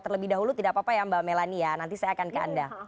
terlebih dahulu tidak apa apa ya mbak melani ya nanti saya akan ke anda